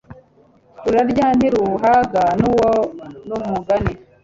rurarya ntiruhaga nuwo n'umugani